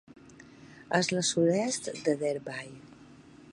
És la sud-est de Derby.